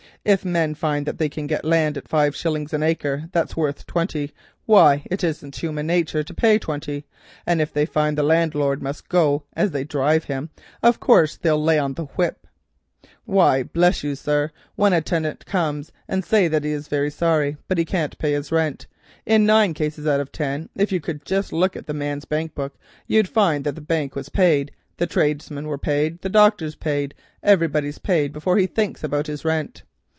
If men find they can get land at five shillings an acre that's worth twenty, why it isn't in human natur to pay twenty, and if they find that the landlord must go as they drive him, of course they'll lay on the whip. Why, bless you, sir, when a tinant comes and says that he is very sorry but he finds he can't pay his rent, in nine cases out of ten, you'd find that the bank was paid, the tradesmen were paid, the doctor's paid, iverybody's paid before he thinks about his rent.